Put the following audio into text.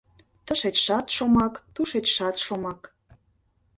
Тышечшат шомак, тушечшат шомак